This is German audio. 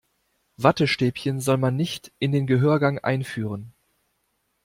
Wattestäbchen soll man nicht in den Gehörgang einführen.